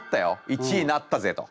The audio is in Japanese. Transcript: １位になったぜと。